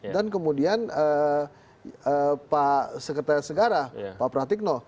dan kemudian pak sekretaris segara pak pratikno